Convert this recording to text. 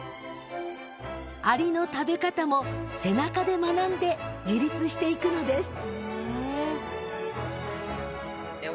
アリの食べ方も背中で学んで自立していくのです